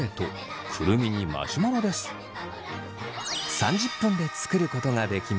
３０分で作ることができます。